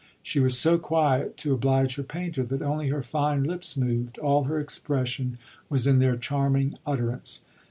She was so quiet, to oblige her painter, that only her fine lips moved all her expression was in their charming utterance.